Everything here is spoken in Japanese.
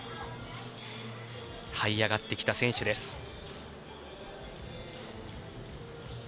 はい上がってきた選手です。